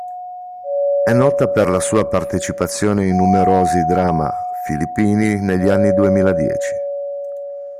È nota per la sua partecipazione in numerosi drama filippini negli anni duemiladieci.